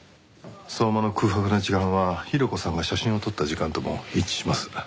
相馬の空白の時間はヒロコさんが写真を撮った時間とも一致します。